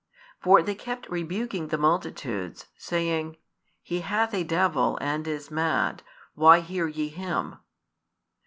For they kept rebuking the multitudes, saying: He hath a devil, and is mad: why hear ye Him?